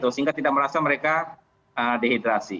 sehingga tidak merasa mereka dehidrasi